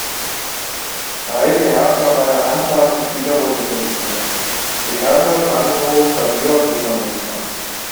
Taj beherrscht auch eine Anzahl verschiedener Musikinstrumente: Gitarre, Banjo, Klavier und Mundharmonika.